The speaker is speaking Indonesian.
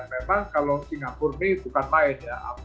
memang kalau singapura ini bukan lain ya